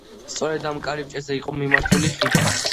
სწორედ ამ კარიბჭეზე იყო მიმართული ხიდი.